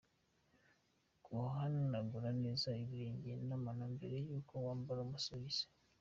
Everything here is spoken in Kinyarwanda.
Guhanagura neza ibirenge n’amano mbere y’uko wambara amasogisi.